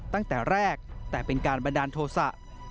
ตั้งแต่แรกแต่เป็นการบันดาลโทษะ